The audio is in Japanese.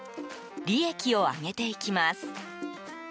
利益を上げていきます。